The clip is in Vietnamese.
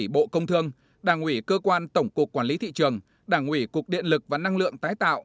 bộ công thương đảng ủy cơ quan tổng cục quản lý thị trường đảng ủy cục điện lực và năng lượng tái tạo